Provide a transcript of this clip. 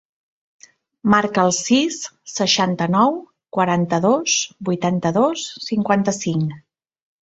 Marca el sis, seixanta-nou, quaranta-dos, vuitanta-dos, cinquanta-cinc.